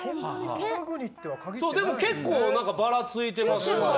結構ばらついてますね。